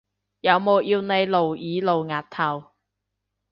有冇要你露耳露額頭？